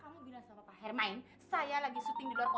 kamu bilang sama pak hermain saya lagi syuting di luar kota